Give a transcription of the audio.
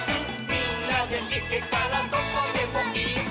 「みんなでいけたらどこでもイス！」